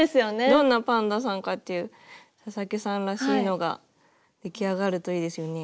どんなパンダさんかっていう佐々木さんらしいのが出来上がるといいですよね。